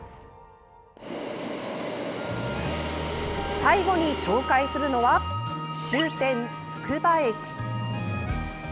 最後に紹介するのは終点つくば駅。